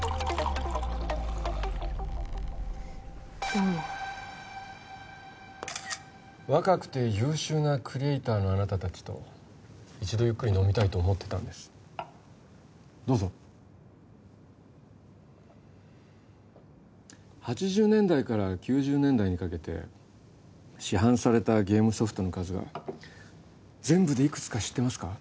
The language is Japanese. どうも若くて優秀なクリエイターのあなた達と一度ゆっくり飲みたいと思ってたんですどうぞ８０年代から９０年代にかけて市販されたゲームソフトの数は全部でいくつか知ってますか？